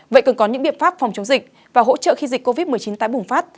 vậy cần có những biện pháp phòng chống dịch và hỗ trợ khi dịch covid một mươi chín tái bùng phát